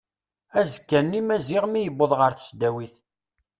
Azekka-nni Maziɣ mi yewweḍ ɣer tesdawit.